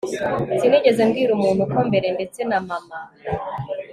sinigeze mbwira umuntu ko mbere, ndetse na mama